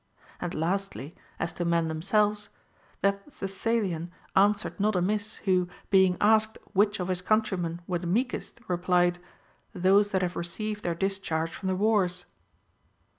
And lastly, as to men themselves, that Thessalian answered not amiss, who, being asked which of his countrymen were the meekest, replied : Those that have received their discharge from the wars.